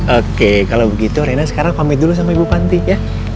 oke kalau begitu rena sekarang komit dulu sama ibu panti ya